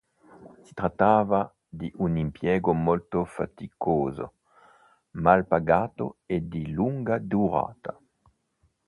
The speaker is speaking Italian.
Si trattava di un impiego molto faticoso, mal pagato e di lunga durata.